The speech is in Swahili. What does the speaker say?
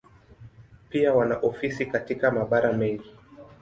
Pia wana ofisi katika mabara mengine.